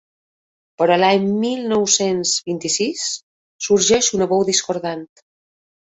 Però l'any mil nou-cents vint-i-sis sorgeix una veu discordant.